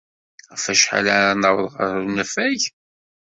Ɣef wacḥal ara naweḍ ɣer unafag?